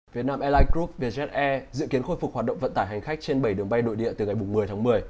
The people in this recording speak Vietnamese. việt nam airline group vjs air dự kiến khôi phục hoạt động vận tải hành khách trên bảy đường bay đội địa từ ngày một mươi tháng một mươi